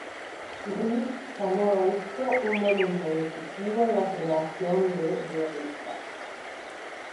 Rhys llamó a esto un momento decisivo en la creación de "Guerrilla".